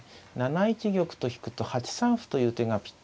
７一玉と引くと８三歩という手がぴったりです。